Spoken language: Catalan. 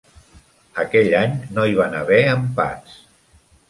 Aquell any no hi van haver empats.